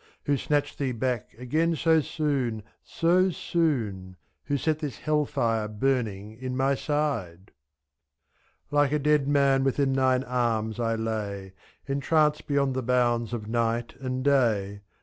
^. Who snatched thee back again so soon, so soon f Who set this hell fire burning in my side? hike a dead man within thine arms I lay^ Entranced beyond the bounds of night and day — If.